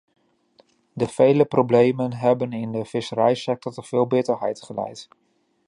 De vele problemen hebben in de visserijsector tot veel bitterheid geleid.